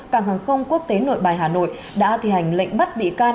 cảng hàng không quốc tế nội bài hà nội đã thi hành lệnh bắt bị can